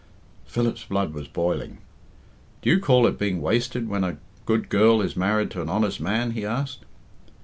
Philip's blood was boiling. "Do you call it being wasted when a good girl is married to an honest man?" he asked.